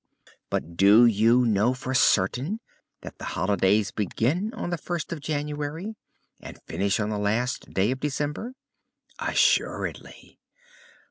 "But do you know for certain that the holidays begin on the first of January and finish on the last day of December?" "Assuredly."